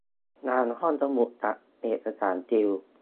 งานห้องสมุด จัดเอกสาร ติว